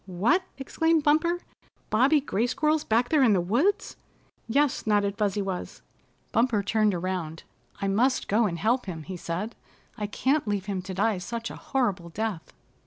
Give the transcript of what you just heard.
"What!" exclaimed Bumper. "Bobby Gray Squirrel's back there in the woods!" "Yes," nodded Fuzzy Wuzz. Bumper turned around. "I must go and help him," he said. "I can't leave him to die such a horrible death."